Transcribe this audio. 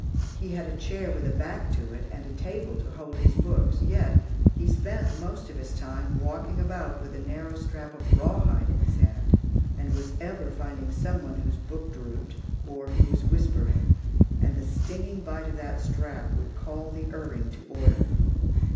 He had a chair with a back to it, and a table to hold his books; yet he spent most of his time walking about with a narrow strap of rawhide in his hand, and was ever finding some one whose book drooped, or who was whispering; and the stinging bite of that strap would call the erring to order.